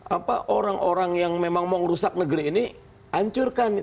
apa orang orang yang memang mau ngerusak negeri ini ancurkan